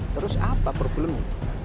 terus apa pergulungan